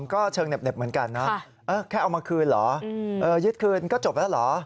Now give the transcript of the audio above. ก็เชิงเหน็บเหมือนกันนะแค่เอามาคืนเหรอยึดคืนก็จบแล้วเหรอ